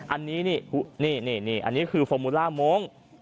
อันนี้คือฟอร์มูล่าโม้ง